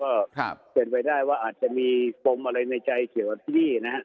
ก็เป็นไปได้ว่าอาจจะมีปมอะไรในใจเกี่ยวกับที่นี่นะฮะ